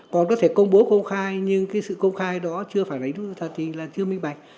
còn có thể công bố công khai nhưng cái sự công khai đó chưa phản ánh đúng thật thì là chưa minh bạch